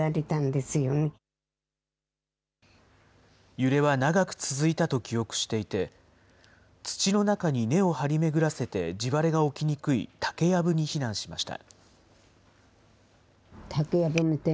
揺れは長く続いたと記憶していて、土の中に根を張り巡らせて地割れが起きにくい竹やぶに避難しました。